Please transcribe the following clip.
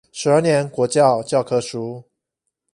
十二年國教教科書